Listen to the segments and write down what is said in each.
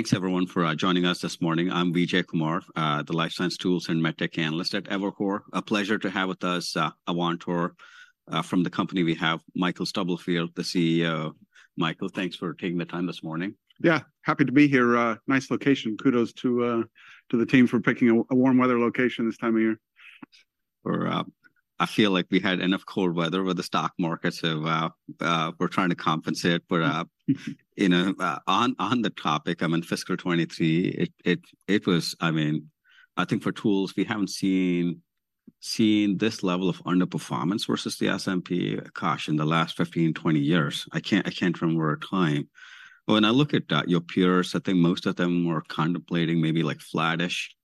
Thanks, everyone, for joining us this morning. I'm Vijay Kumar, the Life Science Tools and MedTech Analyst at Evercore. A pleasure to have with us, Avantor. From the company, we have Michael Stubblefield, the CEO. Michael, thanks for taking the time this morning. Yeah. Happy to be here. Nice location. Kudos to the team for picking a warm weather location this time of year. I feel like we had enough cold weather with the stock market, so, we're trying to compensate. But, you know, on the topic, I mean, fiscal 2023, it was, I mean, I think for tools, we haven't seen this level of underperformance versus the S&P, gosh, in the last 15-20 years. I can't remember a time. When I look at your peers, I think most of them were contemplating maybe, like, flattish,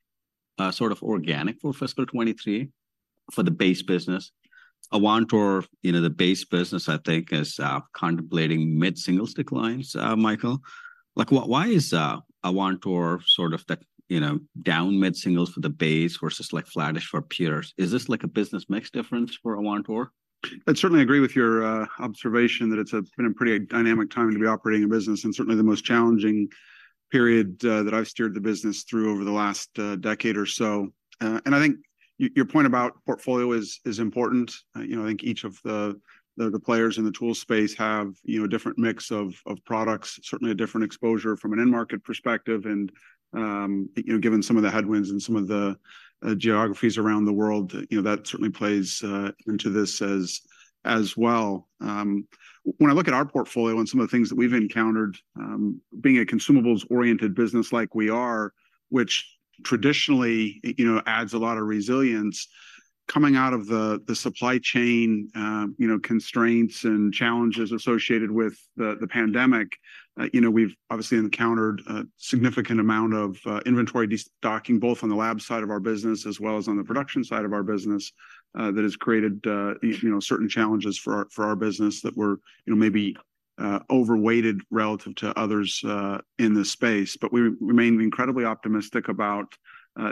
sort of organic for fiscal 2023 for the base business. Avantor, you know, the base business, I think, is contemplating mid-single-digit declines, Michael. Like, why is Avantor sort of the, you know, down mid-singles for the base versus, like, flattish for peers? Is this, like, a business mix difference for Avantor? I'd certainly agree with your observation, that it's been a pretty dynamic time to be operating a business and certainly the most challenging period that I've steered the business through over the last decade or so. And I think your point about portfolio is important. You know, I think each of the players in the tool space have a different mix of products, certainly a different exposure from an end-market perspective. And you know, given some of the headwinds and some of the geographies around the world, you know, that certainly plays into this as well. When I look at our portfolio and some of the things that we've encountered, being a consumables-oriented business like we are, which traditionally, you know, adds a lot of resilience, coming out of the supply chain, you know, constraints and challenges associated with the pandemic, you know, we've obviously encountered a significant amount of inventory destocking, both on the lab side of our business as well as on the production side of our business, that has created, you know, certain challenges for our business that were, you know, maybe overweighted relative to others in this space. But we remain incredibly optimistic about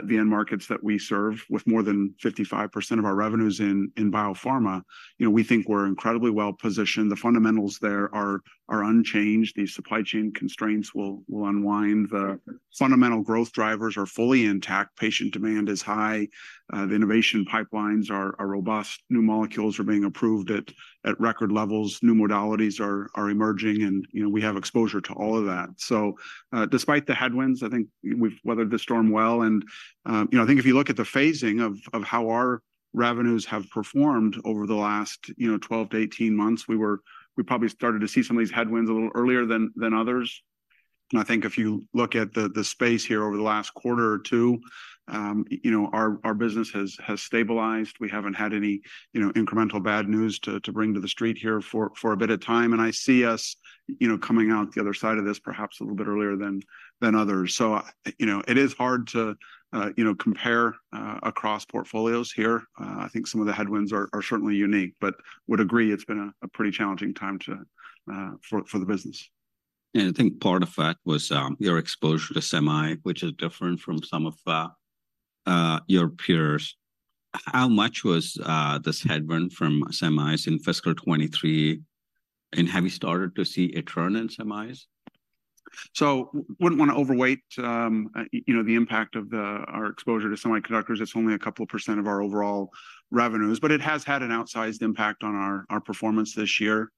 the end markets that we serve, with more than 55% of our revenues in biopharma. You know, we think we're incredibly well-positioned. The fundamentals there are unchanged. The supply chain constraints will unwind. The fundamental growth drivers are fully intact. Patient demand is high. The innovation pipelines are robust. New molecules are being approved at record levels. New modalities are emerging, and, you know, we have exposure to all of that. So, despite the headwinds, I think we've weathered the storm well. And, you know, I think if you look at the phasing of how our revenues have performed over the last, you know, 12-18 months, we probably started to see some of these headwinds a little earlier than others. And I think if you look at the space here over the last quarter or 2, you know, our business has stabilized. We haven't had any, you know, incremental bad news to bring to the street here for a bit of time, and I see us, you know, coming out the other side of this perhaps a little bit earlier than others. So, you know, it is hard to you know, compare across portfolios here. I think some of the headwinds are certainly unique, but would agree it's been a pretty challenging time to for the business. Yeah, I think part of that was your exposure to semi, which is different from some of your peers. How much was this headwind from semis in fiscal 2023, and have you started to see a turn in semis? So wouldn't wanna overweight, you know, the impact of our exposure to semiconductors. It's only a couple of percent of our overall revenues, but it has had an outsized impact on our performance this year.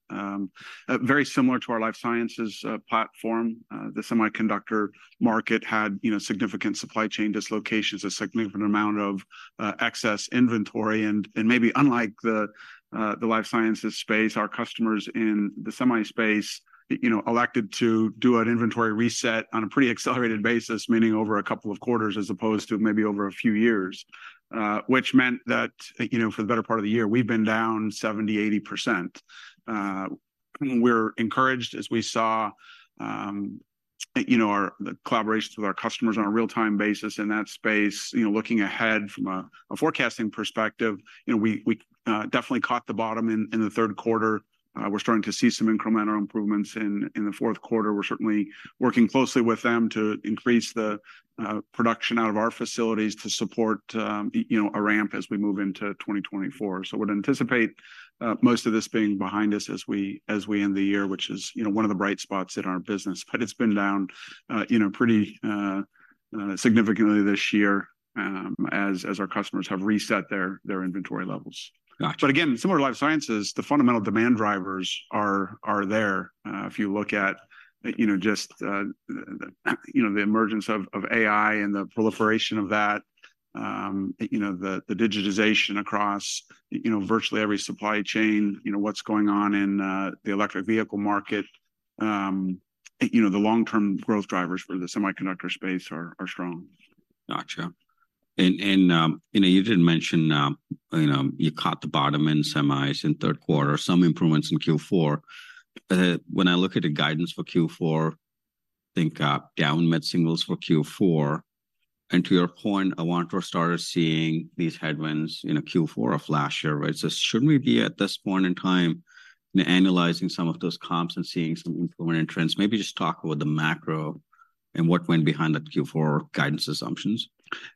Very similar to our life sciences platform, the semiconductor market had, you know, significant supply chain dislocations, a significant amount of excess inventory. And maybe unlike the life sciences space, our customers in the semi space, you know, elected to do an inventory reset on a pretty accelerated basis, meaning over a couple of quarters as opposed to maybe over a few years. Which meant that, you know, for the better part of the year, we've been down 70%-80%. We're encouraged as we saw, you know, our, the collaborations with our customers on a real-time basis in that space. You know, looking ahead from a forecasting perspective, you know, we definitely caught the bottom in the third quarter. We're starting to see some incremental improvements in the fourth quarter. We're certainly working closely with them to increase the production out of our facilities to support, you know, a ramp as we move into 2024. So would anticipate most of this being behind us as we end the year, which is, you know, one of the bright spots in our business. But it's been down, you know, pretty significantly this year, as our customers have reset their inventory levels. Gotcha. But again, similar to life sciences, the fundamental demand drivers are there. If you look at, you know, just the emergence of AI and the proliferation of that, you know, the digitization across, you know, virtually every supply chain, you know, what's going on in the electric vehicle market, you know, the long-term growth drivers for the semiconductor space are strong. Gotcha. And you know, you did mention you know, you caught the bottom in semis in third quarter, some improvements in Q4. When I look at the guidance for Q4, I think down mid-singles for Q4. And to your point, Avantor started seeing these headwinds in Q4 of last year, right? So should we be, at this point in time, analyzing some of those comps and seeing some improvement trends? Maybe just talk about the macro and what went behind the Q4 guidance assumptions.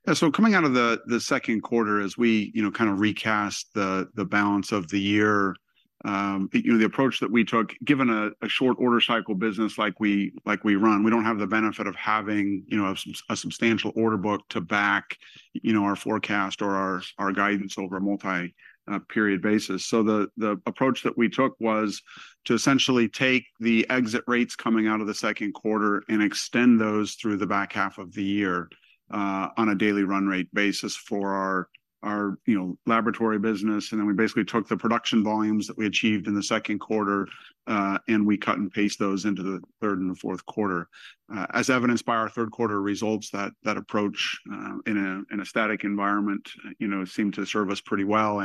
Yeah, so coming out of the second quarter, as we, you know, kind of recast the balance of the year, you know, the approach that we took, given a short order cycle business like we run, we don't have the benefit of having, you know, a substantial order book to back, you know, our forecast or our guidance over a multi-period basis. So the approach that we took was to essentially take the exit rates coming out of the second quarter and extend those through the back half of the year on a daily run rate basis for our laboratory business. And then we basically took the production volumes that we achieved in the second quarter and we cut and paste those into the third and the fourth quarter. As evidenced by our third quarter results, that approach in a static environment, you know, seemed to serve us pretty well.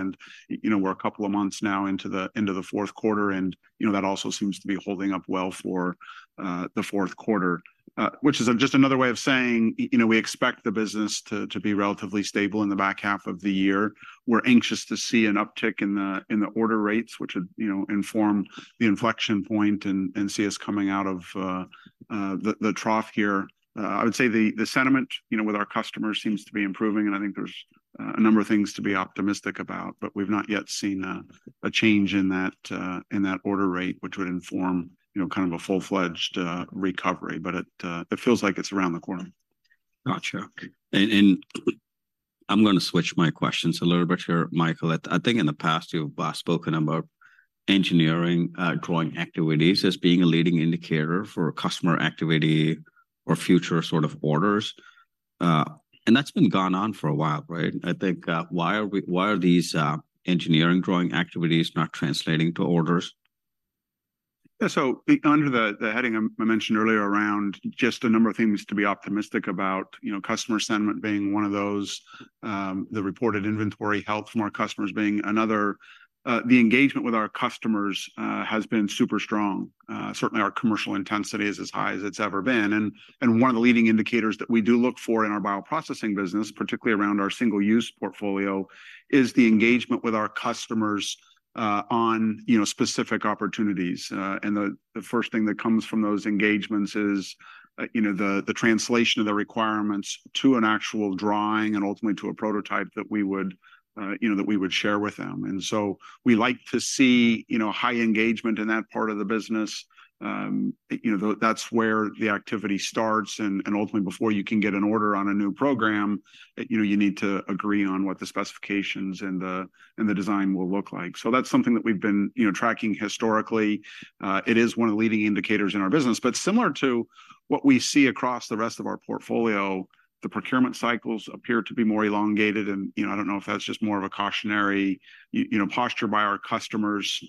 You know, we're a couple of months now into the fourth quarter, and you know, that also seems to be holding up well for the fourth quarter. Which is just another way of saying, you know, we expect the business to be relatively stable in the back half of the year. We're anxious to see an uptick in the order rates, which would, you know, inform the inflection point and see us coming out of the trough here. I would say the sentiment, you know, with our customers seems to be improving, and I think there's a number of things to be optimistic about, but we've not yet seen a change in that order rate, which would inform, you know, kind of a full-fledged recovery. But it feels like it's around the corner. Gotcha. And I'm gonna switch my questions a little bit here, Michael. I think in the past you've spoken about engineering drawing activities as being a leading indicator for customer activity or future sort of orders. And that's been gone on for a while, right? I think why are we—why are these engineering drawing activities not translating to orders? Yeah. So under the heading I mentioned earlier around just a number of things to be optimistic about, you know, customer sentiment being one of those, the reported inventory health from our customers being another. The engagement with our customers has been super strong. Certainly our commercial intensity is as high as it's ever been. And one of the leading indicators that we do look for in our bioprocessing business, particularly around our single-use portfolio, is the engagement with our customers on, you know, specific opportunities. And the first thing that comes from those engagements is, you know, the translation of the requirements to an actual drawing and ultimately to a prototype that we would, you know, that we would share with them. So we like to see, you know, high engagement in that part of the business. You know, that's where the activity starts, and ultimately, before you can get an order on a new program, you know, you need to agree on what the specifications and the design will look like. So that's something that we've been, you know, tracking historically. It is one of the leading indicators in our business. But similar to what we see across the rest of our portfolio, the procurement cycles appear to be more elongated. And, you know, I don't know if that's just more of a cautionary, you know, posture by our customers,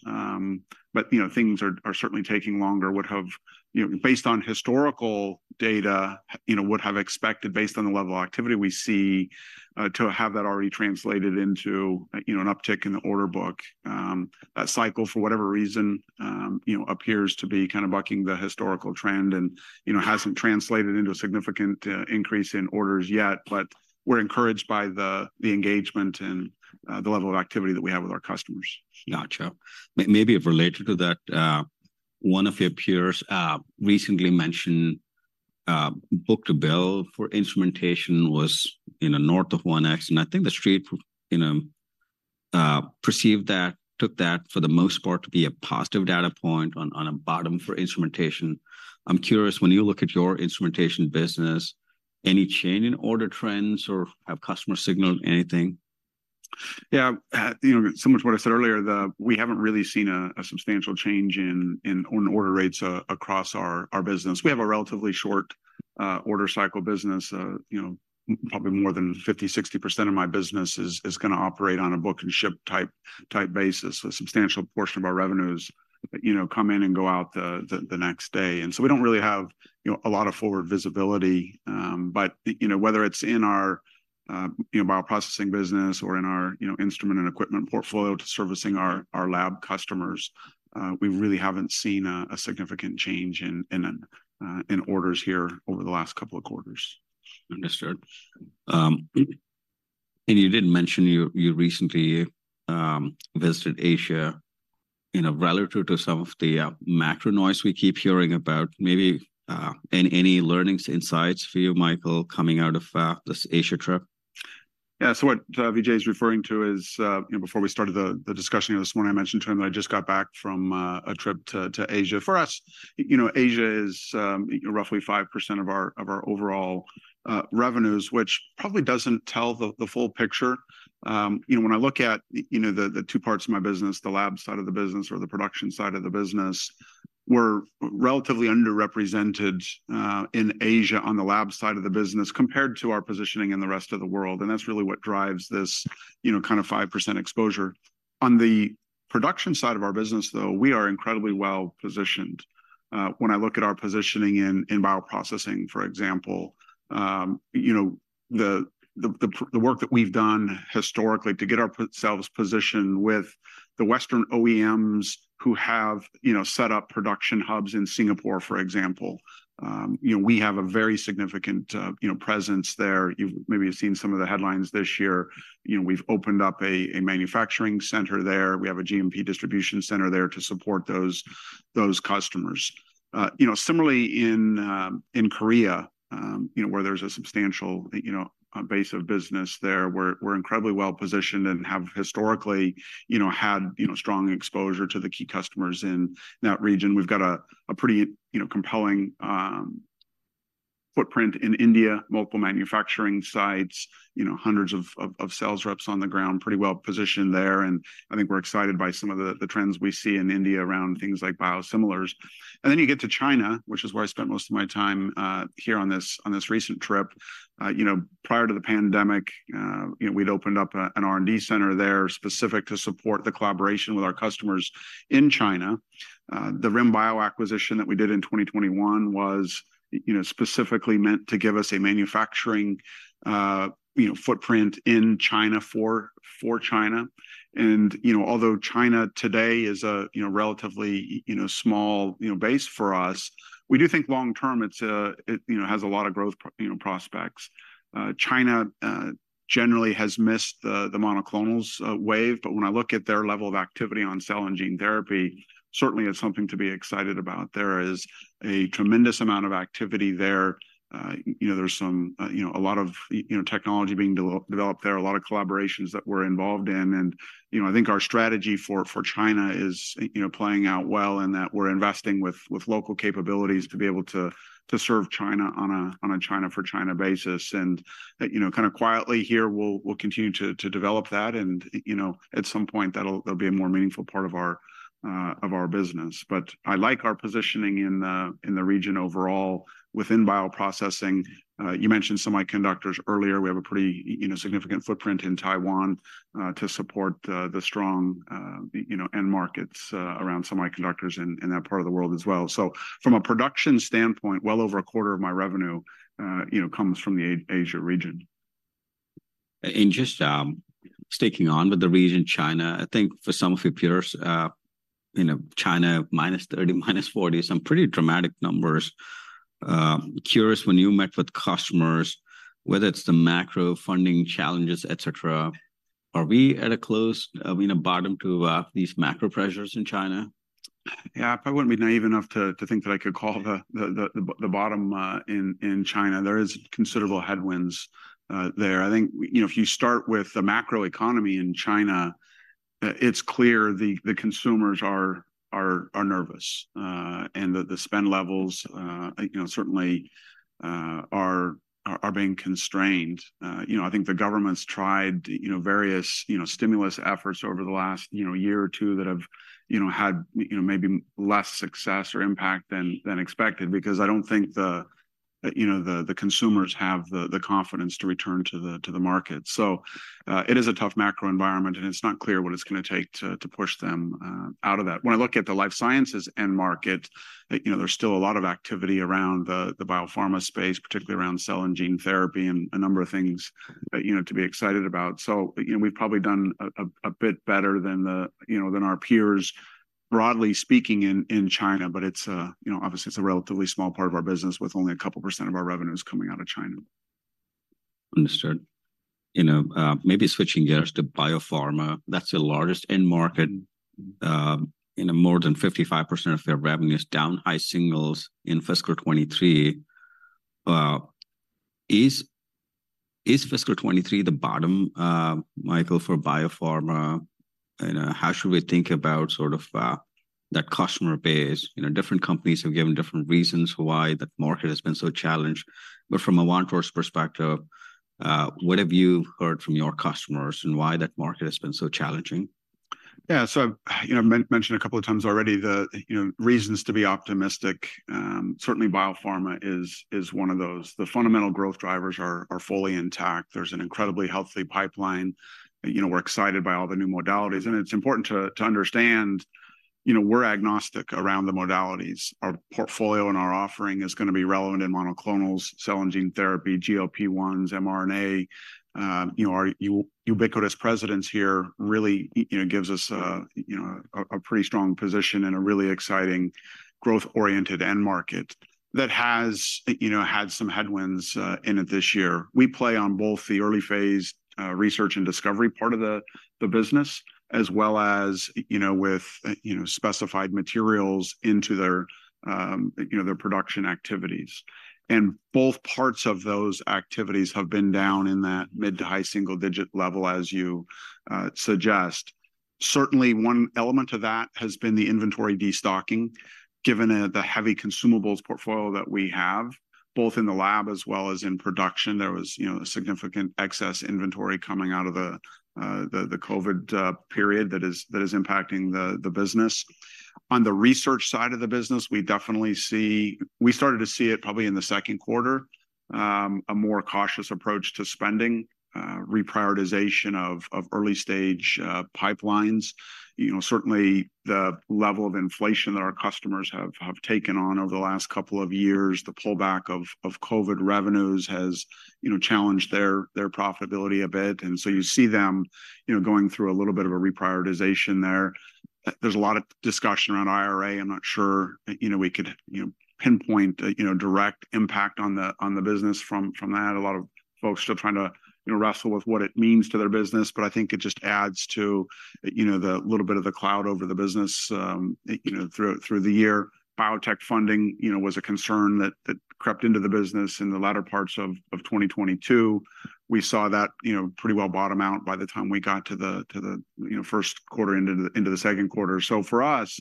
but, you know, things are certainly taking longer. Would have, you know, based on historical data, you know, would have expected, based on the level of activity we see, to have that already translated into, you know, an uptick in the order book. That cycle, for whatever reason, you know, appears to be kind of bucking the historical trend and, you know, hasn't translated into a significant increase in orders yet. But we're encouraged by the engagement and the level of activity that we have with our customers. Gotcha. Maybe related to that, one of your peers recently mentioned book-to-bill for instrumentation was, you know, north of 1x, and I think the Street, you know, perceived that, took that, for the most part, to be a positive data point on a bottom for instrumentation. I'm curious, when you look at your instrumentation business, any change in order trends or have customers signaled anything? Yeah, you know, similar to what I said earlier, we haven't really seen a substantial change in order rates across our business. We have a relatively short order cycle business. You know, probably more than 50-60% of my business is gonna operate on a book and ship type basis. A substantial portion of our revenues, you know, come in and go out the next day. And so we don't really have, you know, a lot of forward visibility. But, you know, whether it's in our bioprocessing business or in our instrument and equipment portfolio to servicing our lab customers, we really haven't seen a significant change in orders here over the last couple of quarters. Understood. You did mention you recently visited Asia. You know, relative to some of the macro noise we keep hearing about, maybe any learnings, insights for you, Michael, coming out of this Asia trip? Yeah. So what Vijay is referring to is... You know, before we started the discussion this morning, I mentioned to him that I just got back from a trip to Asia. For us, you know, Asia is roughly 5% of our overall revenues, which probably doesn't tell the full picture. You know, when I look at the two parts of my business, the lab side of the business or the production side of the business, we're relatively underrepresented in Asia on the lab side of the business compared to our positioning in the rest of the world, and that's really what drives this kind of 5% exposure. On the production side of our business, though, we are incredibly well positioned. When I look at our positioning in bioprocessing, for example, you know, the work that we've done historically to get ourselves positioned with the Western OEMs who have, you know, set up production hubs in Singapore, for example, you know, we have a very significant, you know, presence there. Maybe you've seen some of the headlines this year. You know, we've opened up a manufacturing center there. We have a GMP distribution center there to support those customers. You know, similarly in Korea, you know, where there's a substantial, you know, base of business there, we're incredibly well positioned and have historically, you know, had, you know, strong exposure to the key customers in that region. We've got a pretty, you know, compelling... footprint in India, multiple manufacturing sites, you know, hundreds of sales reps on the ground, pretty well-positioned there, and I think we're excited by some of the trends we see in India around things like biosimilars. And then you get to China, which is where I spent most of my time here on this recent trip. You know, prior to the pandemic, you know, we'd opened up an R&D center there specific to support the collaboration with our customers in China. The RIM Bio acquisition that we did in 2021 was, you know, specifically meant to give us a manufacturing footprint in China for China. You know, although China today is a you know relatively you know small you know base for us, we do think long term it's a it you know has a lot of growth prospects. China generally has missed the monoclonals wave, but when I look at their level of activity on cell and gene therapy, certainly it's something to be excited about. There is a tremendous amount of activity there. You know, there's a lot of technology being developed there, a lot of collaborations that we're involved in. You know, I think our strategy for China is you know playing out well in that we're investing with local capabilities to be able to serve China on a China-for-China basis. You know, kind of quietly here, we'll continue to develop that, and you know, at some point, that'll be a more meaningful part of our business. But I like our positioning in the region overall within bioprocessing. You mentioned semiconductors earlier. We have a pretty, you know, significant footprint in Taiwan to support the strong end markets around semiconductors in that part of the world as well. So from a production standpoint, well over a quarter of my revenue comes from the Asia region. Just sticking on with the region, China, I think for some of your peers, you know, China, -30%, -40%, some pretty dramatic numbers. Curious, when you met with customers, whether it's the macro funding challenges, et cetera, are we at a close, you know, bottom to these macro pressures in China? Yeah, I probably wouldn't be naive enough to think that I could call the bottom in China. There is considerable headwinds there. I think, you know, if you start with the macroeconomy in China, it's clear the consumers are nervous, and the spend levels, you know, certainly are being constrained. You know, I think the government's tried various stimulus efforts over the last year or two that have had maybe less success or impact than expected, because I don't think the consumers have the confidence to return to the market. So, it is a tough macro environment, and it's not clear what it's going to take to push them out of that. When I look at the life sciences end market, you know, there's still a lot of activity around the biopharma space, particularly around cell and gene therapy, and a number of things that, you know, to be excited about. So, you know, we've probably done a bit better than the, you know, than our peers, broadly speaking, in China, but it's a, you know, obviously, it's a relatively small part of our business, with only a couple% of our revenues coming out of China. Understood. You know, maybe switching gears to biopharma, that's the largest end market. You know, more than 55% of their revenue is down, high singles in fiscal 2023. Is, is fiscal 2023 the bottom, Michael, for biopharma? And, how should we think about sort of, that customer base? You know, different companies have given different reasons for why that market has been so challenged, but from an Avantor perspective, what have you heard from your customers, and why that market has been so challenging? Yeah, so, you know, mentioned a couple of times already the, you know, reasons to be optimistic. Certainly biopharma is one of those. The fundamental growth drivers are fully intact. There's an incredibly healthy pipeline. You know, we're excited by all the new modalities, and it's important to understand, you know, we're agnostic around the modalities. Our portfolio and our offering is gonna be relevant in monoclonals, cell and gene therapy, GLP-1s, mRNA. You know, our ubiquitous presence here really, you know, gives us a pretty strong position in a really exciting, growth-oriented end market that has, you know, had some headwinds in it this year. We play on both the early phase research and discovery part of the business, as well as, you know, with, you know, specified materials into their, you know, their production activities. Both parts of those activities have been down in that mid- to high single-digit level, as you suggest. Certainly, one element of that has been the inventory destocking, given the heavy consumables portfolio that we have, both in the lab as well as in production. There was, you know, a significant excess inventory coming out of the COVID period that is impacting the business. On the research side of the business, we definitely see... We started to see it probably in the second quarter, a more cautious approach to spending, reprioritization of early-stage pipelines. You know, certainly the level of inflation that our customers have taken on over the last couple of years, the pullback of COVID revenues has, you know, challenged their profitability a bit, and so you see them, you know, going through a little bit of a reprioritization there. There's a lot of discussion around IRA. I'm not sure, you know, we could, you know, pinpoint direct impact on the business from that. A lot of folks still trying to, you know, wrestle with what it means to their business, but I think it just adds to, you know, the little bit of the cloud over the business through the year. Biotech funding, you know, was a concern that crept into the business in the latter parts of 2022. We saw that, you know, pretty well bottom out by the time we got to the first quarter into the second quarter. So for us,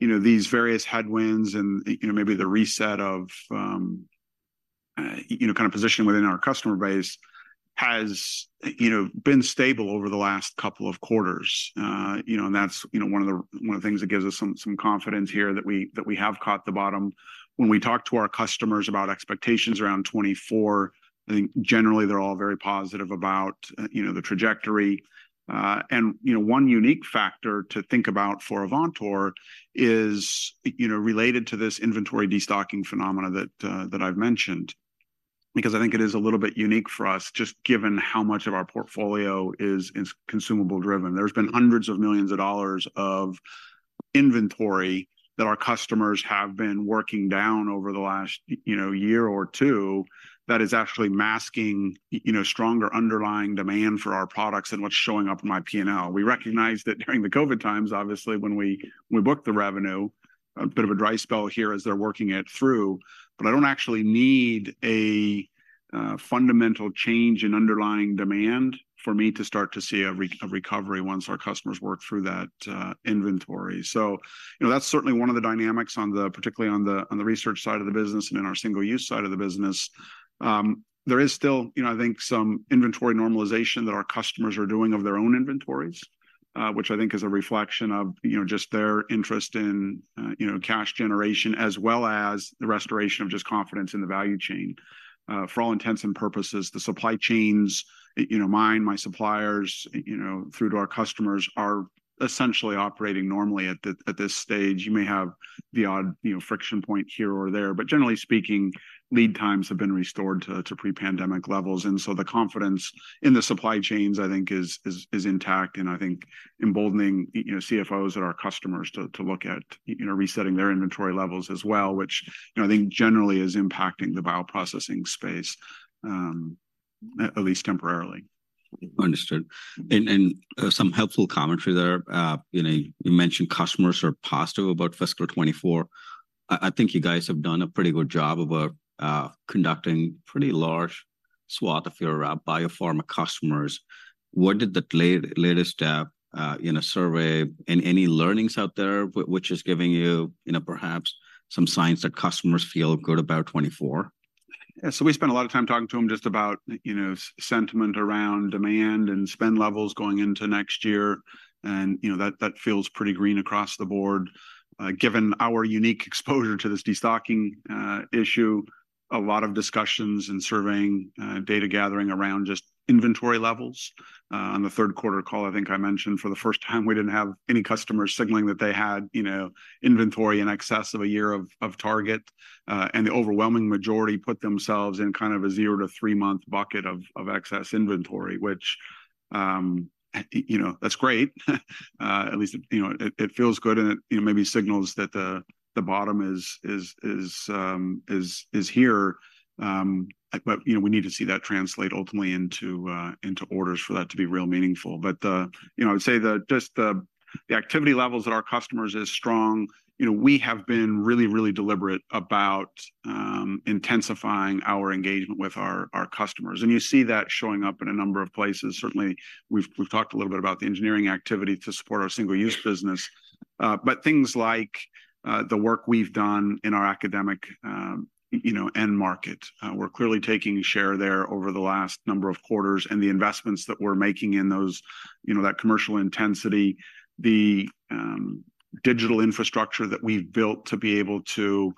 you know, these various headwinds and, you know, maybe the reset of, you know, kind of positioning within our customer base has, you know, been stable over the last couple of quarters. And that's, you know, one of the things that gives us some confidence here that we have caught the bottom. When we talk to our customers about expectations around 2024, I think generally they're all very positive about, you know, the trajectory. And, you know, one unique factor to think about for Avantor is, you know, related to this inventory destocking phenomenon that that I've mentioned, because I think it is a little bit unique for us, just given how much of our portfolio is consumable driven. There's been $hundreds of millions of inventory that our customers have been working down over the last, you know, year or two that is actually masking, you know, stronger underlying demand for our products than what's showing up in my P&L. We recognize that during the COVID times, obviously, when we booked the revenue, a bit of a dry spell here as they're working it through, but I don't actually need a fundamental change in underlying demand for me to start to see a recovery once our customers work through that inventory. So, you know, that's certainly one of the dynamics on the, particularly on the, on the research side of the business and in our single-use side of the business. There is still, you know, I think some inventory normalization that our customers are doing of their own inventories, which I think is a reflection of, you know, just their interest in, you know, cash generation, as well as the restoration of just confidence in the value chain. For all intents and purposes, the supply chains, you know, mine, my suppliers, you know, through to our customers, are essentially operating normally at this stage. You may have the odd, you know, friction point here or there, but generally speaking, lead times have been restored to pre-pandemic levels. And so the confidence in the supply chains, I think, is intact and I think emboldening, you know, CFOs and our customers to look at, you know, resetting their inventory levels as well, which, you know, I think generally is impacting the bioprocessing space, at least temporarily. Understood. Some helpful commentary there. You know, you mentioned customers are positive about fiscal 2024. I think you guys have done a pretty good job about conducting pretty large swath of your biopharma customers. What did the latest survey and any learnings out there, which is giving you, you know, perhaps some signs that customers feel good about 2024? Yeah. So we spent a lot of time talking to them just about, you know, sentiment around demand and spend levels going into next year, and, you know, that feels pretty green across the board. Given our unique exposure to this destocking issue, a lot of discussions and surveying data gathering around just inventory levels. On the third quarter call, I think I mentioned for the first time, we didn't have any customers signaling that they had, you know, inventory in excess of a year of target. And the overwhelming majority put themselves in kind of a 0- to 3-month bucket of excess inventory, which, you know, that's great. At least, you know, it feels good and it, you know, maybe signals that the bottom is here. But, you know, we need to see that translate ultimately into, into orders for that to be real meaningful. But the... You know, I'd say that just the, the activity levels at our customers is strong. You know, we have been really, really deliberate about, intensifying our engagement with our, our customers, and you see that showing up in a number of places. Certainly, we've, we've talked a little bit about the engineering activity to support our single-use business, but things like, the work we've done in our academic, you know, end market. We're clearly taking share there over the last number of quarters and the investments that we're making in those, you know, that commercial intensity, the digital infrastructure that we've built to be able to,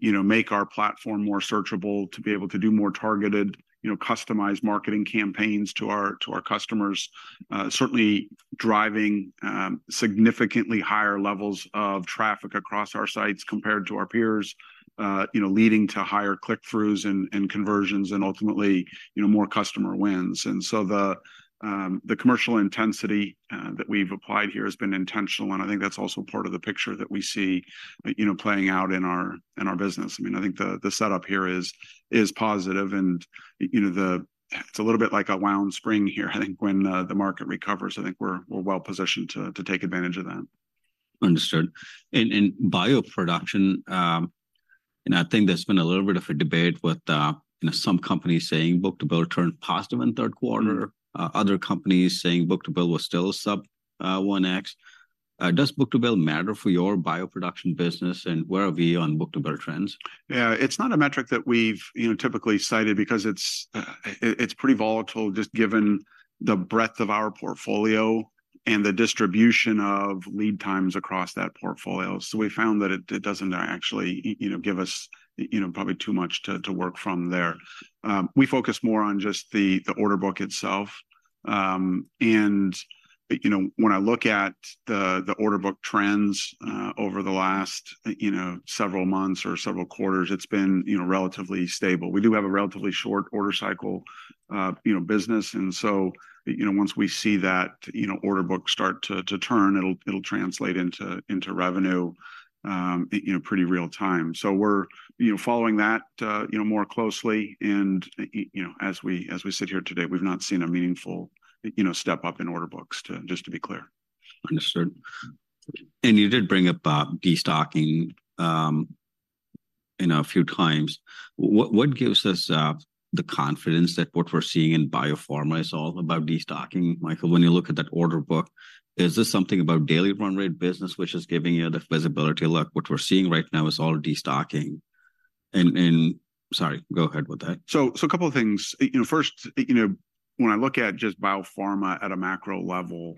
you know, make our platform more searchable, to be able to do more targeted, you know, customized marketing campaigns to our customers, certainly driving significantly higher levels of traffic across our sites compared to our peers, you know, leading to higher click-throughs and conversions and ultimately, you know, more customer wins. So the commercial intensity that we've applied here has been intentional, and I think that's also part of the picture that we see, you know, playing out in our business. I mean, I think the setup here is positive and, you know, it's a little bit like a wound spring here. I think when the market recovers, I think we're well positioned to take advantage of that. Understood. In bioproduction, and I think there's been a little bit of a debate with, you know, some companies saying book-to-bill turned positive in third quarter- Mm. Other companies saying book-to-bill was still sub 1x. Does book-to-bill matter for your bioproduction business, and where are we on book-to-bill trends? Yeah. It's not a metric that we've, you know, typically cited because it's, it's pretty volatile, just given the breadth of our portfolio and the distribution of lead times across that portfolio. So we found that it doesn't actually, you know, give us, you know, probably too much to work from there. We focus more on just the order book itself. And, you know, when I look at the order book trends over the last, you know, several months or several quarters, it's been, you know, relatively stable. We do have a relatively short order cycle, you know, business, and so, you know, once we see that, you know, order book start to turn, it'll translate into revenue, you know, pretty real time. So we're, you know, following that, you know, more closely, and, you know, as we, as we sit here today, we've not seen a meaningful, you know, step up in order books to... Just to be clear. Understood. You did bring up destocking, you know, a few times. What gives us the confidence that what we're seeing in biopharma is all about destocking, Michael, when you look at that order book? Is this something about daily run rate business which is giving you the visibility? Look, what we're seeing right now is all destocking. Sorry, go ahead with that. So, a couple of things. You know, first, you know, when I look at just biopharma at a macro level,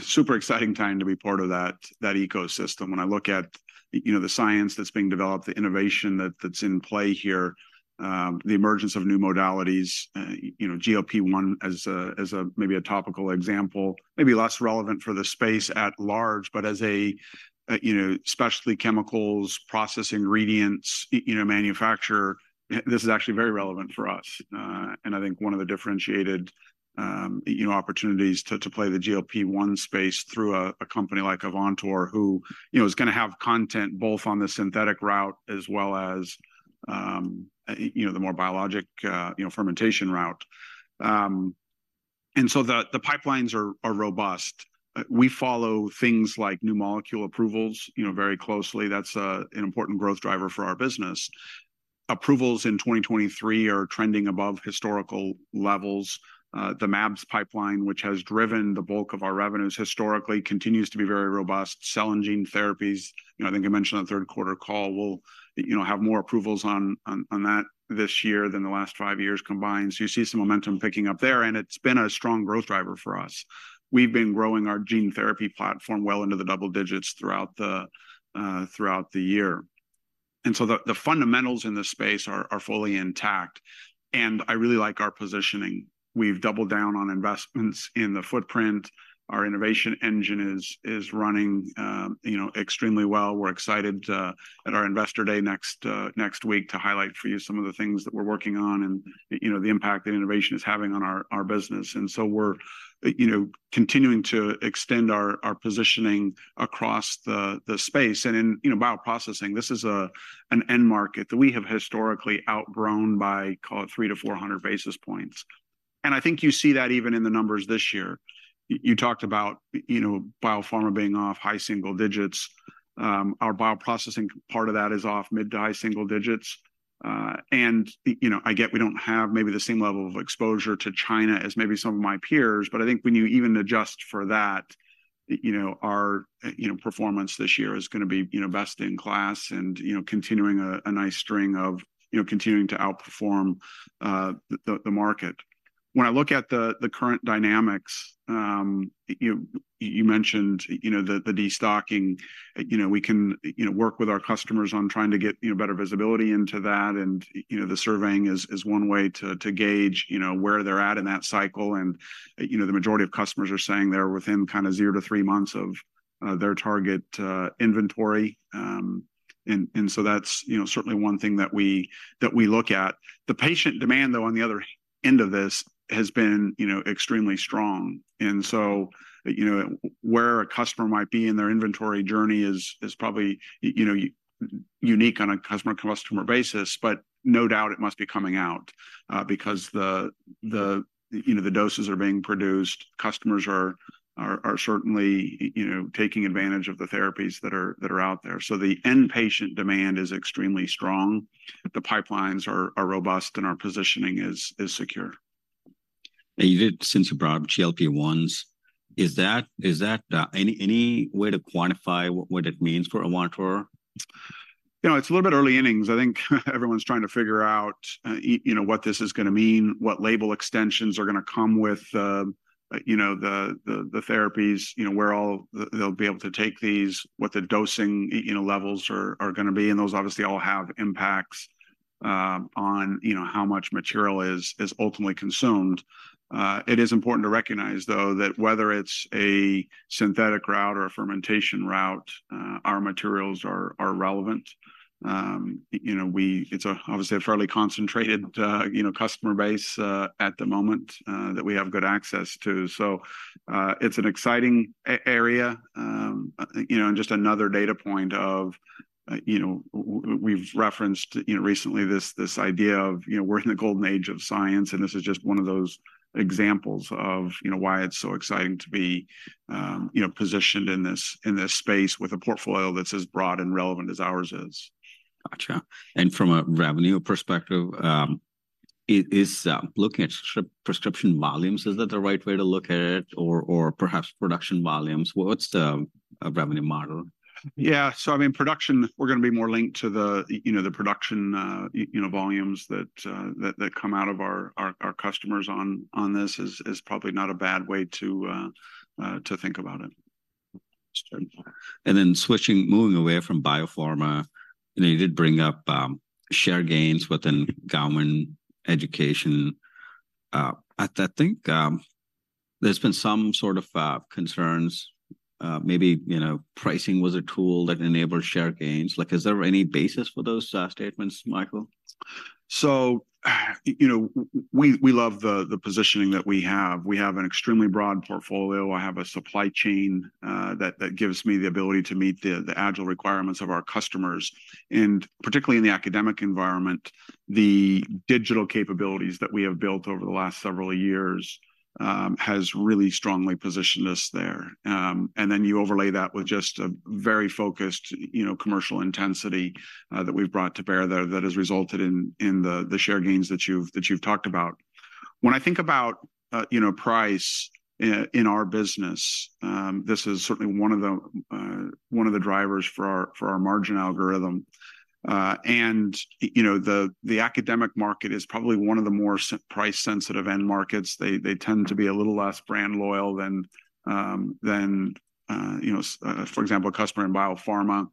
super exciting time to be part of that ecosystem. When I look at, you know, the science that's being developed, the innovation that's in play here, the emergence of new modalities, you know, GLP-1 as a maybe a topical example, maybe less relevant for the space at large, but as a you know, specialty chemicals, process ingredients, you know, manufacturer, this is actually very relevant for us. And I think one of the differentiated, you know, opportunities to play the GLP-1 space through a company like Avantor, who, you know, is gonna have content both on the synthetic route as well as, you know, the more biologic, you know, fermentation route. And so the pipelines are robust. We follow things like new molecule approvals, you know, very closely. That's an important growth driver for our business. Approvals in 2023 are trending above historical levels. The mAbs pipeline, which has driven the bulk of our revenues historically, continues to be very robust. Cell and gene therapies, you know, I think I mentioned on the third quarter call, we'll, you know, have more approvals on, on, on that this year than the last five years combined. So you see some momentum picking up there, and it's been a strong growth driver for us. We've been growing our gene therapy platform well into the double digits throughout the year. And so the fundamentals in this space are fully intact, and I really like our positioning. We've doubled down on investments in the footprint. Our innovation engine is running, you know, extremely well. We're excited at our Investor Day next week to highlight for you some of the things that we're working on and, you know, the impact that innovation is having on our business. And so we're, you know, continuing to extend our positioning across the space. And in, you know, bioprocessing, this is an end market that we have historically outgrown by, call it, 300-400 basis points. And I think you see that even in the numbers this year. You talked about, you know, biopharma being off high single digits. Our bioprocessing part of that is off mid to high single digits. And, you know, I get we don't have maybe the same level of exposure to China as maybe some of my peers, but I think when you even adjust for that, you know, our, you know, performance this year is gonna be, you know, best in class and, you know, continuing a nice string of, you know, continuing to outperform the market. When I look at the current dynamics, you mentioned, you know, the destocking. You know, we can, you know, work with our customers on trying to get, you know, better visibility into that, and, you know, the surveying is one way to gauge, you know, where they're at in that cycle. And, you know, the majority of customers are saying they're within kind of 0-3 months of their target inventory. And so that's, you know, certainly one thing that we look at. The patient demand, though, on the other end of this, has been, you know, extremely strong. And so, you know, where a customer might be in their inventory journey is probably, you know, unique on a customer-to-customer basis, but no doubt it must be coming out because the, you know, the doses are being produced. Customers are certainly, you know, taking advantage of the therapies that are out there. So the end patient demand is extremely strong, the pipelines are robust, and our positioning is secure. And you mentioned GLP-1s abroad. Is there any way to quantify what it means for Avantor? You know, it's a little bit early innings. I think everyone's trying to figure out, you know, what this is gonna mean, what label extensions are gonna come with, you know, the therapies, you know, where they'll be able to take these, what the dosing, you know, levels are gonna be, and those obviously all have impacts on, you know, how much material is ultimately consumed. It is important to recognize, though, that whether it's a synthetic route or a fermentation route, our materials are relevant. You know, it's obviously a fairly concentrated, you know, customer base at the moment that we have good access to. So, it's an exciting area. You know, and just another data point of, you know, we've referenced, you know, recently this idea of, you know, we're in the golden age of science, and this is just one of those examples of, you know, why it's so exciting to be, you know, positioned in this space with a portfolio that's as broad and relevant as ours is. Gotcha. And from a revenue perspective, is looking at prescription volumes the right way to look at it, or perhaps production volumes? What's the revenue model? Yeah. So I mean, production, we're gonna be more linked to the, you know, the production volumes that come out of our customers on this is probably not a bad way to think about it. Sure. And then switching, moving away from biopharma, you know, you did bring up, share gains within government, education. I think there's been some sort of concerns, maybe, you know, pricing was a tool that enabled share gains. Like, is there any basis for those statements, Michael? You know, we love the positioning that we have. We have an extremely broad portfolio. I have a supply chain that gives me the ability to meet the agile requirements of our customers. And particularly in the academic environment, the digital capabilities that we have built over the last several years has really strongly positioned us there. And then you overlay that with just a very focused, you know, commercial intensity that we've brought to bear there that has resulted in the share gains that you've talked about. When I think about, you know, price in our business, this is certainly one of the drivers for our margin algorithm. And you know, the academic market is probably one of the more price-sensitive end markets. They, they tend to be a little less brand loyal than you know for example a customer in biopharma.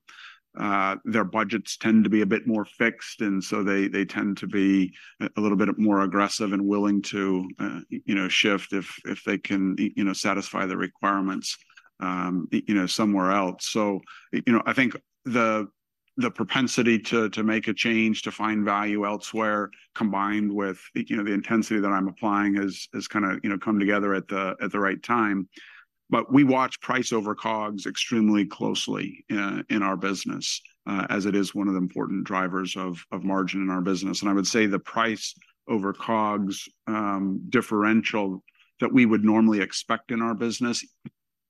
Their budgets tend to be a bit more fixed, and so they, they tend to be a little bit more aggressive and willing to you know shift if they can you know satisfy the requirements you know somewhere else. So, you know, I think the propensity to make a change, to find value elsewhere, combined with you know the intensity that I'm applying has kinda you know come together at the right time. But we watch price over COGS extremely closely in our business as it is one of the important drivers of margin in our business. And I would say the price over COGS differential that we would normally expect in our business,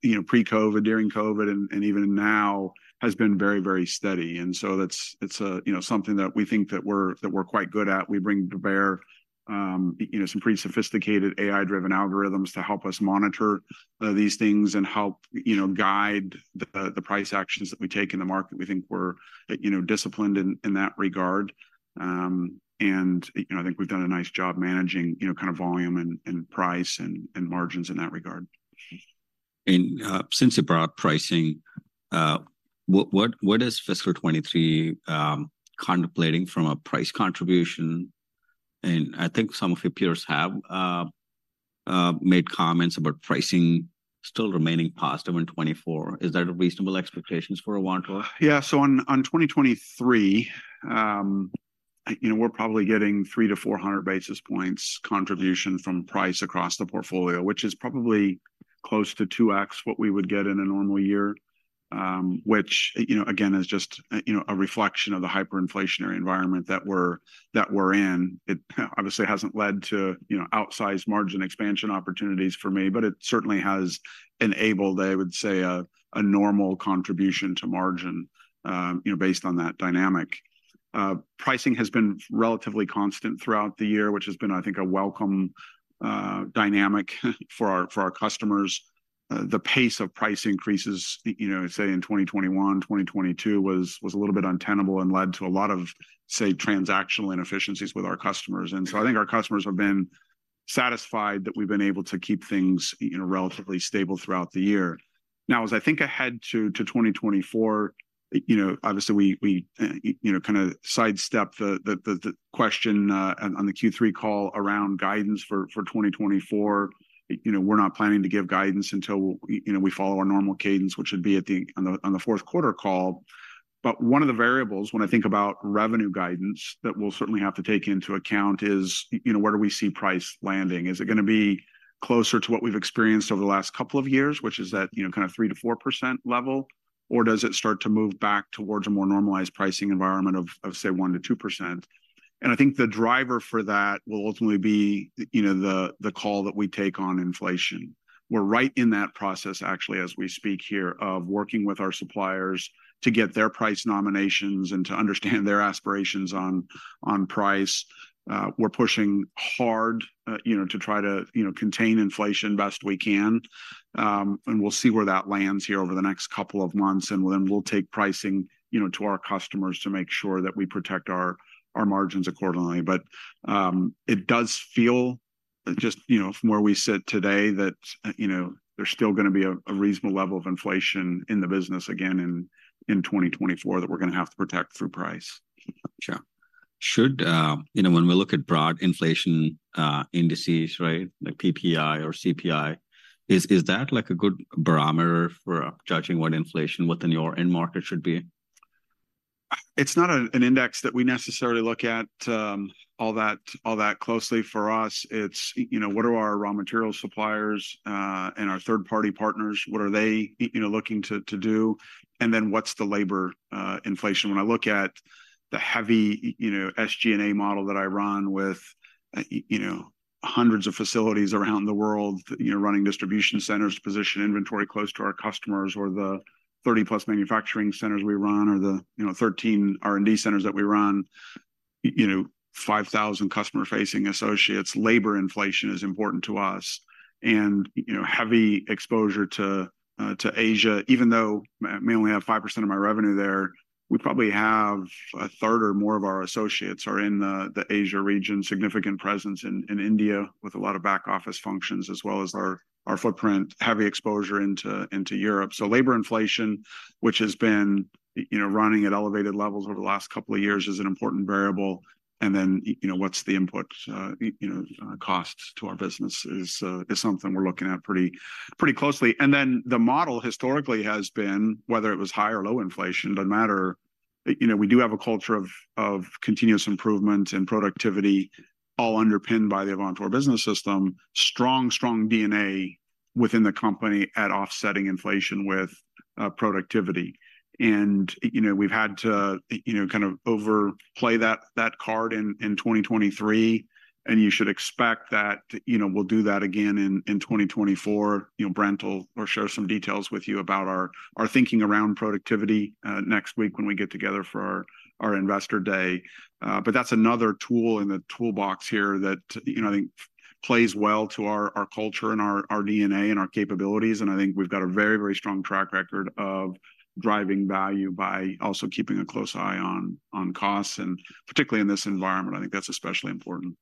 you know, pre-COVID, during COVID, and even now, has been very, very steady. And so that's. It's a, you know, something that we think that we're, that we're quite good at. We bring to bear, you know, some pretty sophisticated AI-driven algorithms to help us monitor these things and help, you know, guide the price actions that we take in the market. We think we're, you know, disciplined in that regard. And, you know, I think we've done a nice job managing, you know, kind of volume and price and margins in that regard. Since you brought up pricing, what is fiscal 2023 contemplating from a price contribution? I think some of your peers have made comments about pricing still remaining positive in 2024. Is that a reasonable expectations for Avantor? Yeah. So in 2023, you know, we're probably getting 300-400 basis points contribution from price across the portfolio, which is probably close to 2x what we would get in a normal year. Which, you know, again, is just, you know, a reflection of the hyperinflationary environment that we're in. It, obviously, hasn't led to, you know, outsized margin expansion opportunities for me, but it certainly has enabled, I would say, a normal contribution to margin, you know, based on that dynamic. Pricing has been relatively constant throughout the year, which has been, I think, a welcome dynamic for our customers. The pace of price increases, you know, say, in 2021, 2022, was a little bit untenable and led to a lot of, say, transactional inefficiencies with our customers. And so I think our customers have been satisfied that we've been able to keep things, you know, relatively stable throughout the year. Now, as I think ahead to 2024, you know, obviously, we you know kinda sidestep the question on the Q3 call around guidance for 2024. You know, we're not planning to give guidance until you know we follow our normal cadence, which would be on the fourth quarter call. But one of the variables when I think about revenue guidance that we'll certainly have to take into account is you know where do we see price landing? Is it gonna be closer to what we've experienced over the last couple of years, which is that, you know, kinda 3%-4% level? Or does it start to move back towards a more normalized pricing environment of, say, 1%-2%? And I think the driver for that will ultimately be, you know, the call that we take on inflation. We're right in that process, actually, as we speak here, of working with our suppliers to get their price nominations and to understand their aspirations on price. We're pushing hard, you know, to try to, you know, contain inflation best we can. And we'll see where that lands here over the next couple of months, and then we'll take pricing, you know, to our customers to make sure that we protect our margins accordingly. It does feel that just, you know, from where we sit today, that you know, there's still gonna be a reasonable level of inflation in the business again in 2024, that we're gonna have to protect through price. Sure. Should... You know, when we look at broad inflation indices, right, like PPI or CPI, is that, like, a good barometer for judging what inflation within your end market should be? It's not an index that we necessarily look at all that closely. For us, it's you know what are our raw material suppliers and our third-party partners, what are they you know looking to do? And then, what's the labor inflation? When I look at the heavy you know SG&A model that I run with you know hundreds of facilities around the world, you know running distribution centers to position inventory close to our customers, or the 30-plus manufacturing centers we run, or the you know 13 R&D centers that we run, you know 5,000 customer-facing associates, labor inflation is important to us. You know, heavy exposure to Asia, even though we may only have 5% of our revenue there, we probably have a third or more of our associates in the Asia region. Significant presence in India, with a lot of back-office functions, as well as our footprint, heavy exposure into Europe. So labor inflation, which has been, you know, running at elevated levels over the last couple of years, is an important variable. And then, you know, what's the input costs to our business is something we're looking at pretty closely. And then, the model historically has been, whether it was high or low inflation, doesn't matter, you know, we do have a culture of continuous improvement and productivity, all underpinned by the Avantor Business System. Strong, strong DNA-... within the company at offsetting inflation with productivity. And, you know, we've had to, you know, kind of overplay that card in 2023, and you should expect that, you know, we'll do that again in 2024. You know, Brent will share some details with you about our thinking around productivity next week when we get together for our Investor Day. But that's another tool in the toolbox here that, you know, I think plays well to our culture and our DNA and our capabilities. And I think we've got a very, very strong track record of driving value by also keeping a close eye on costs, and particularly in this environment, I think that's especially important.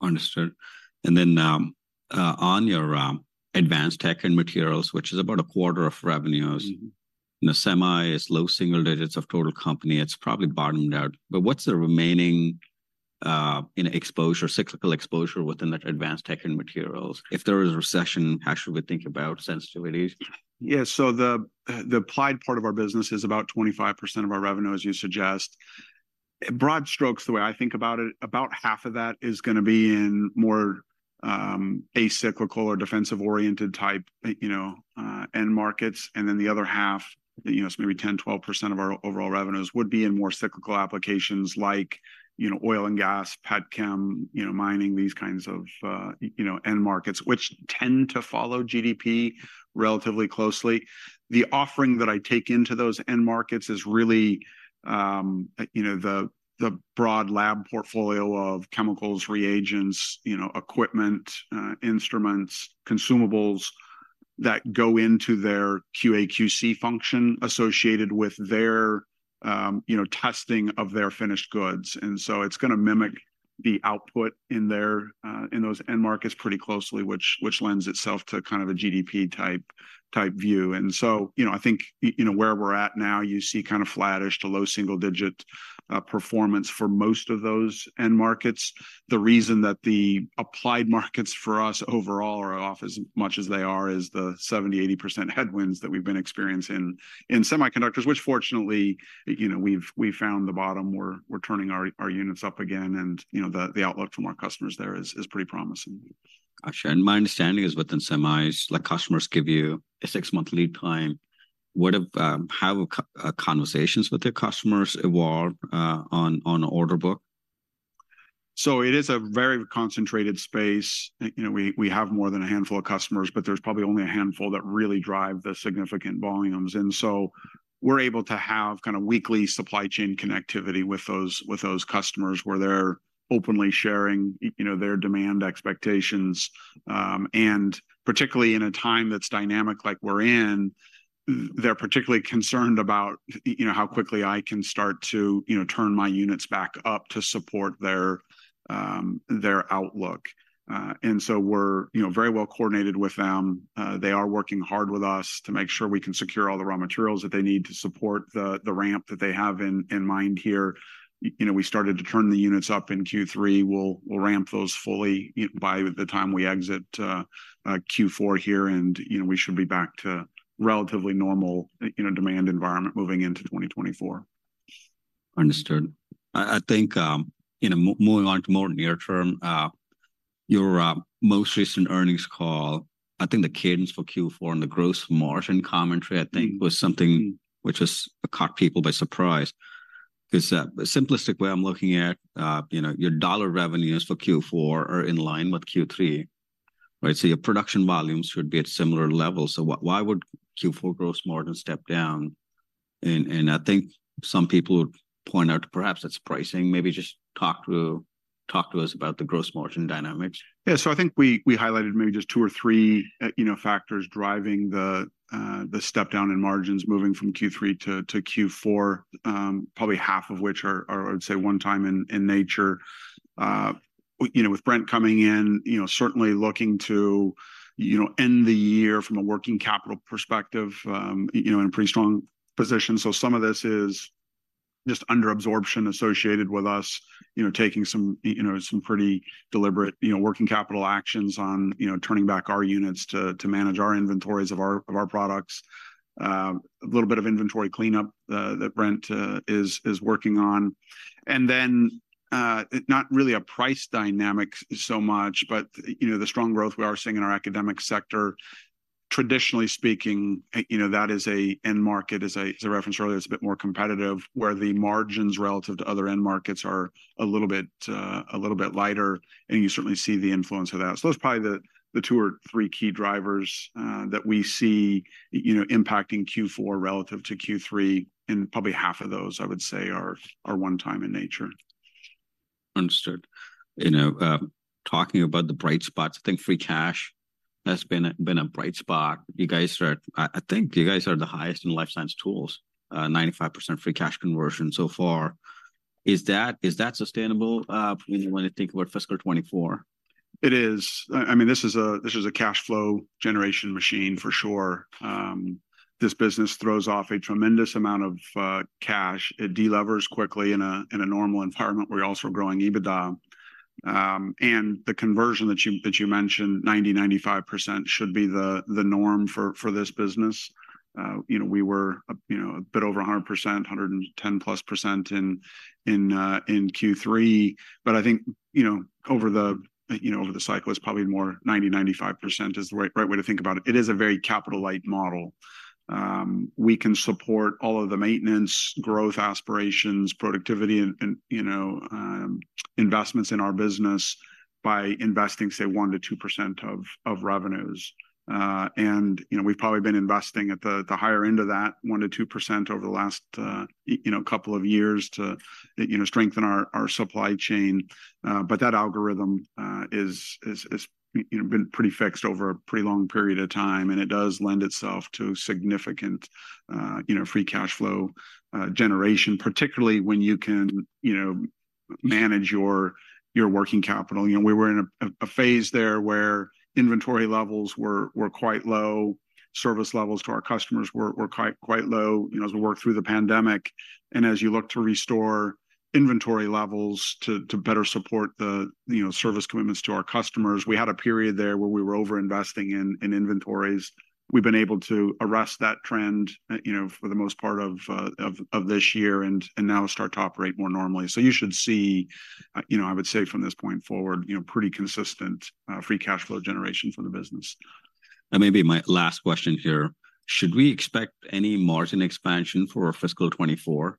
Understood. And then, on your, advanced tech and materials, which is about a quarter of revenues- Mm. The semi is low single digits of total company; it's probably bottomed out. What's the remaining, you know, exposure, cyclical exposure within the advanced tech end materials? If there is a recession, how should we think about sensitivities? Yeah, so the, the applied part of our business is about 25% of our revenue, as you suggest. Broad strokes, the way I think about it, about half of that is gonna be in more, acyclical or defensive-oriented type, you know, end markets. And then the other half, you know, so maybe 10, 12% of our overall revenues would be in more cyclical applications like, you know, oil and gas, petchem, you know, mining, these kinds of, you know, end markets, which tend to follow GDP relatively closely. The offering that I take into those end markets is really, you know, the, the broad lab portfolio of chemicals, reagents, you know, equipment, instruments, consumables, that go into their QA/QC function associated with their, you know, testing of their finished goods. And so it's gonna mimic the output in their in those end markets pretty closely, which lends itself to kind of a GDP-type view. And so, you know, I think you know, where we're at now, you see kind of flattish to low single-digit performance for most of those end markets. The reason that the applied markets for us overall are off as much as they are is the 70-80% headwinds that we've been experiencing in semiconductors, which fortunately, you know, we've found the bottom. We're turning our units up again, and, you know, the outlook from our customers there is pretty promising. Got you. And my understanding is within semis, like, customers give you a six-month lead time. What have conversations with the customers evolved on the order book? So it is a very concentrated space. You know, we have more than a handful of customers, but there's probably only a handful that really drive the significant volumes. And so we're able to have kind of weekly supply chain connectivity with those customers, where they're openly sharing, you know, their demand expectations. And particularly in a time that's dynamic like we're in, they're particularly concerned about, you know, how quickly I can start to, you know, turn my units back up to support their their outlook. And so we're, you know, very well coordinated with them. They are working hard with us to make sure we can secure all the raw materials that they need to support the the ramp that they have in in mind here. You know, we started to turn the units up in Q3. We'll ramp those fully by the time we exit Q4 here, and, you know, we should be back to relatively normal, you know, demand environment moving into 2024. Understood. I think, you know, moving on to more near term, your most recent earnings call, I think the cadence for Q4 and the gross margin commentary, I think, was something which has caught people by surprise. Because, the simplistic way I'm looking at, you know, your dollar revenues for Q4 are in line with Q3, right? So your production volumes should be at similar levels. So why would Q4 gross margin step down? And I think some people would point out perhaps it's pricing. Maybe just talk to us about the gross margin dynamics. Yeah. So I think we highlighted maybe just two or three, you know, factors driving the step down in margins moving from Q3 to Q4. Probably half of which are, I'd say, one-time in nature. You know, with Brent coming in, you know, certainly looking to, you know, end the year from a working capital perspective, you know, in a pretty strong position. So some of this is just under-absorption associated with us, you know, taking some, you know, some pretty deliberate, you know, working capital actions on, you know, turning back our units to manage our inventories of our products. A little bit of inventory cleanup that Brent is working on. And then, not really a price dynamic so much, but, you know, the strong growth we are seeing in our academic sector, traditionally speaking, you know, that is an end market. As I referenced earlier, it's a bit more competitive, where the margins relative to other end markets are a little bit, a little bit lighter, and you certainly see the influence of that. So that's probably the two or three key drivers that we see, you know, impacting Q4 relative to Q3, and probably half of those, I would say, are one-time in nature. Understood. You know, talking about the bright spots, I think free cash has been a bright spot. You guys are at, I think you guys are the highest in life science tools, 95% free cash conversion so far. Is that sustainable when you wanna think about fiscal 2024? It is. I mean, this is a, this is a cash flow generation machine for sure. This business throws off a tremendous amount of cash, it delevers quickly in a normal environment where you're also growing EBITDA. And the conversion that you mentioned, 90%-95%, should be the norm for this business. You know, we were a bit over 100%, 110%+ in Q3, but I think, you know, over the cycle, it's probably more 90%-95% is the right way to think about it. It is a very capital-light model. We can support all of the maintenance, growth aspirations, productivity, and investments in our business by investing, say, 1%-2% of revenues. And, you know, we've probably been investing at the higher end of that 1-2% over the last, you know, couple of years to, you know, strengthen our supply chain. But that algorithm has, you know, been pretty fixed over a pretty long period of time, and it does lend itself to significant, you know, free cash flow generation, particularly when you can, you know, manage your working capital. You know, we were in a phase there where inventory levels were quite low. Service levels to our customers were quite low, you know, as we worked through the pandemic. And as you look to restore inventory levels to better support the, you know, service commitments to our customers, we had a period there where we were overinvesting in inventories. We've been able to arrest that trend, you know, for the most part of this year, and now start to operate more normally. So you should see, you know, I would say from this point forward, you know, pretty consistent free cash flow generation from the business. Maybe my last question here: Should we expect any margin expansion for fiscal 2024?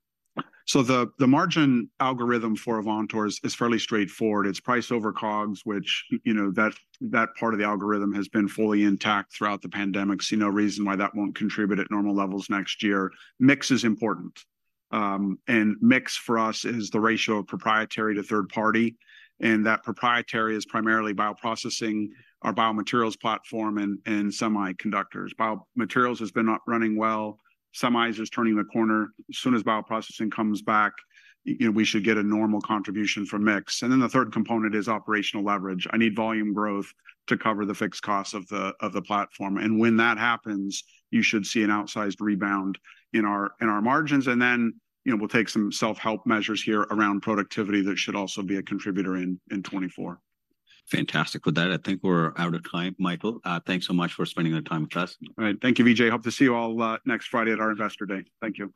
So the margin algorithm for Avantor is fairly straightforward. It's price over COGS, which, you know, that part of the algorithm has been fully intact throughout the pandemic. See no reason why that won't contribute at normal levels next year. Mix is important, and mix for us is the ratio of proprietary to third party, and that proprietary is primarily bioprocessing, our biomaterials platform, and semiconductors. Biomaterials has been not running well. Semis is turning the corner. As soon as bioprocessing comes back, you know, we should get a normal contribution from mix. And then the third component is operational leverage. I need volume growth to cover the fixed costs of the platform, and when that happens, you should see an outsized rebound in our margins. And then, you know, we'll take some self-help measures here around productivity that should also be a contributor in 2024. Fantastic. With that, I think we're out of time. Michael, thanks so much for spending the time with us. All right. Thank you, Vijay. Hope to see you all next Friday at our Investor Day. Thank you.